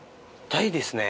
大ですね。